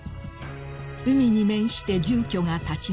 ［海に面して住居が立ち並び